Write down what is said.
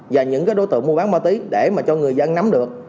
và những đối tượng mua bán ma túy để mà cho người dân nắm được